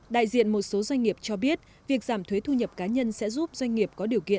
đại diện một số doanh nghiệp cho biết việc giảm thuế thu nhập cá nhân sẽ giúp doanh nghiệp có điều kiện